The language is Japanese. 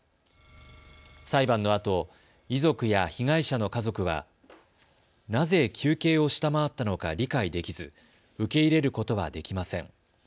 裁判のあと遺族や被害者の家族はなぜ求刑を下回ったのか理解できず受け入れることはできません。